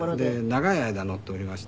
長い間乗っておりまして。